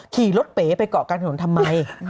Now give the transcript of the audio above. ขี่รถเป๋ไปเกาะกลางถนนทำไม